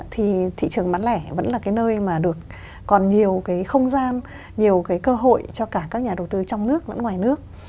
thì thị trường bán lẻ vẫn là nơi mà còn nhiều không gian nhiều cơ hội cho cả các nhà đầu tư trong nước ngoài nước